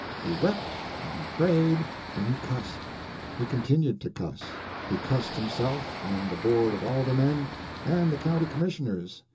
He wept, and he prayed, and he cussed. He continued to cuss. He cussed himself, and the Board of Alder men, and the County Commissioners.